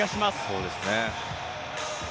そうですね。